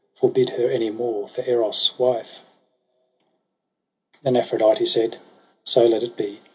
Forbid her any more for Eros' wife.' Then Aphrodite said ' So let it be.'